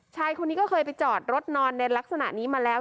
ชายคนนี้ก็เคยไปจอดรถนอนในลักษณะนี้มาแล้ว